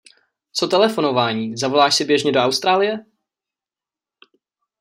Co telefonování, zavoláš si běžně do Austrálie?